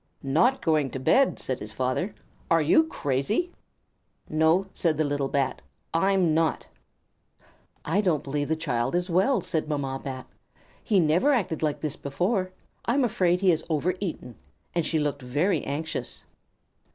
"Not going to bed!" said his father. "Are you crazy?" "No," said the little Bat, "I'm not." "I don't believe the child is well," said Mamma Bat. "He never acted like this before. I'm afraid he has overeaten." And she looked very anxious.